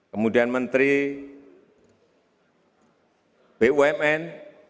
kemudian menteri bumn